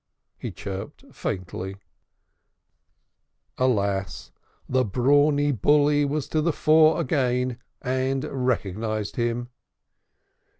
he chirped faintly. Alas! the brawny bully was to the fore again and recognized him.